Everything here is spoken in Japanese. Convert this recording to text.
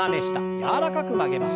柔らかく曲げましょう。